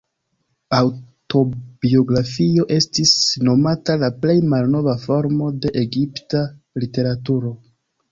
Aŭtobiografio estis nomata la plej malnova formo de egipta literaturo.